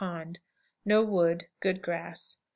Pond. No wood; good grass.